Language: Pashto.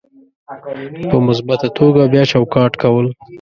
په مثبته توګه بیا چوکاټ کول: